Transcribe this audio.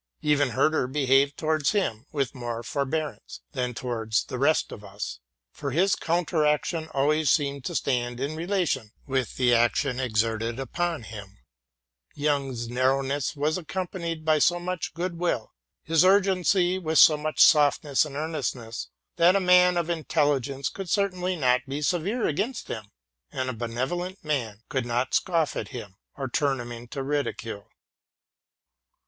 Even Herder behaved towards him with more forbearance than towards the rest of us, for his counter action always seemed to stand in relation with the action exerted upon him. Jung's nar rowness was accompanied by so much good will, his urgency with so much softness and earnestness, that a man of intelli gence could certainly not be severe against him, and a benev olent man could not scoff at him or turn him into ridicule.